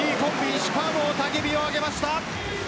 石川も雄たけびを上げました。